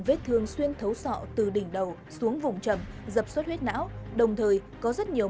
vết thương thấu sọ từ đỉnh đầu xuống vùng trầm dập suất huyết não đồng thời có rất nhiều